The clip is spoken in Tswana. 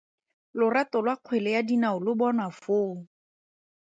Lorato lwa kgwele ya dinao lo bonwa foo.